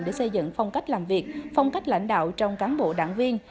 để xây dựng phong cách làm việc phong cách lãnh đạo trong cán bộ đảng viên